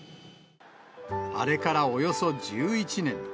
あれからおよそ１１年。